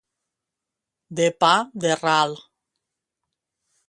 De pa de ral.